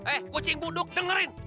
eh kucing buduk dengerin